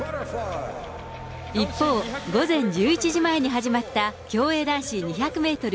一方、午前１１時前に始まった競泳男子２００メートル